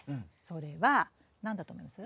それは何だと思います？